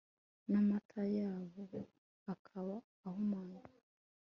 namata yayo akaba ahumanye